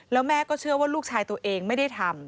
แล้วแม่ก็เชื่อว่าลูกชายตัวเองไม่ได้ทำ